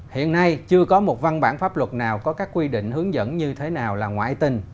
hiện nay chưa có một văn bản pháp luật nào có các quy định hướng dẫn như thế nào là ngoại tình